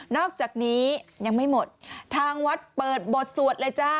อกจากนี้ยังไม่หมดทางวัดเปิดบทสวดเลยจ้า